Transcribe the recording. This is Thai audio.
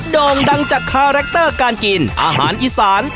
โด่งดังจากคาแรคเตอร์การกินอาหารอีสาน